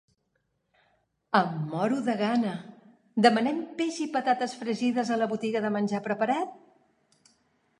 Em moro de gana. Demanem peix i patates fregides a la botiga de menjar preparat?